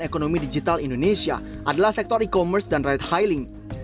ekonomi digital indonesia adalah sektor e commerce dan ride hailing